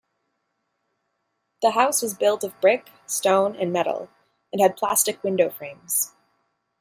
The house was built of brick, stone and metal, and had plastic window frames.